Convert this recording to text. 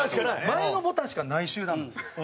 前のボタンしかない集団なんですよ。